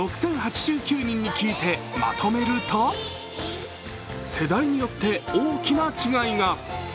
６０８９人に聞いてまとめると世代によって大きな違いが。